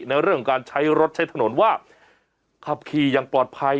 ในเรื่องของการใช้รถใช้ถนนว่าขับขี่อย่างปลอดภัย